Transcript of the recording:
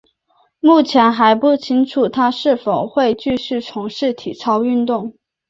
目前还不清楚她是否会继续从事体操运动。